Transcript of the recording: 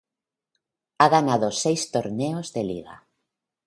Ha ganado seis torneos de liga.